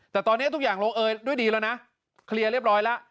แต่ตอนนี้ทุกอย่างลงเอยด้วยดีแล้วนะเคลียร์เรียบร้อยแล้ว